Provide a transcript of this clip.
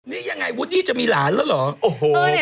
นี่ยังไงวูดดี้จะมีหลานแล้วเหรอโอ้โห